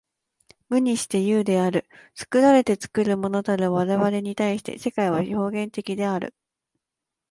無にして有である。作られて作るものたる我々に対して、世界は表現的である。